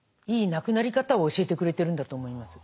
亡くなり方を教えてくれてるんだと思います。